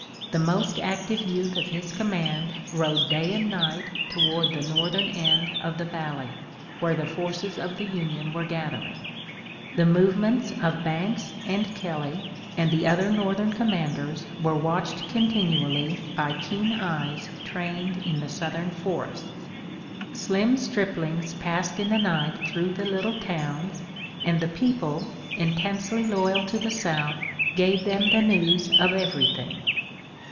The most active youth of his command rode day and night toward the northern end of the valley, where the forces of the Union were gathering. The movements of Banks and Kelly and the other Northern commanders were watched continually by keen eyes trained in the southern forests. Slim striplings passed in the night through the little towns, and the people, intensely loyal to the South, gave them the news of everything.